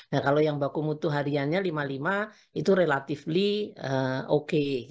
nah kalau yang baku mutu hariannya lima puluh lima itu relatively oke